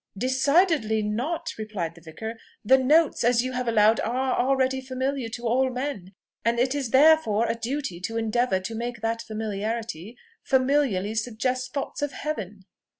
"Decidedly not," replied the vicar. "The notes, as you have allowed, are already familiar to all men, and it is therefore a duty to endeavour to make that familiarity familiarly suggest thoughts of heaven."